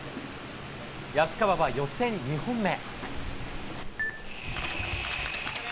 安川は予選２本目。